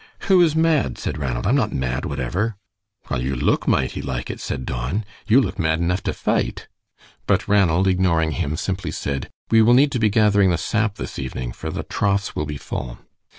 "Who is mad?" said Ranald. "I am not mad whatever." "Well, you look mighty like it," said Don. "You look mad enough to fight." But Ranald, ignoring him, simply said, "We will need to be gathering the sap this evening, for the troughs will be full."